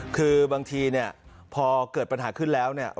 คือบางทีเนี่ยพอเกิดปัญหาขึ้นแล้วเนี่ย